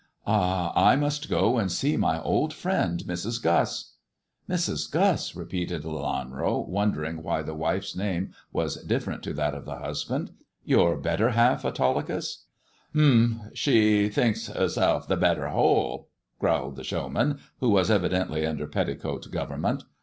" Ah, I must go and see my old friend Mrs. Guss." " Mrs. Guss," repeated Lelanro, wondering why the wife's name was different to that of the hushand ;'* your hetter half, Autolycus 1 "Humph ! She thinks *erself the better whole," growled the showman, who was evidently under petticoat govern ment.